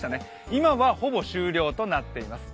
今はほぼ終了となっています。